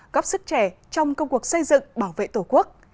góp sức trẻ trong công cuộc xây dựng bảo vệ tổ quốc